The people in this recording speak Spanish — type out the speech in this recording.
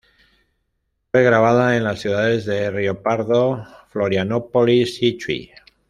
Fue grabada en las ciudades de Rio Pardo, Florianópolis y Chuy.